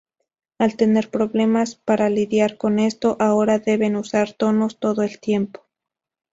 Al tener problemas para lidiar con esto, ahora debe usar tonos todo el tiempo.